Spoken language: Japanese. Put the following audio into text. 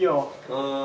うん。